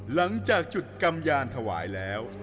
หลังจากจุดกำยานถวายแล้ว